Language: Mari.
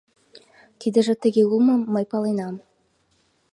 Тидыже тыге улмым мый паленам.